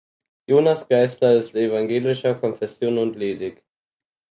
Jonas Geissler ist evangelischer Konfession und ledig.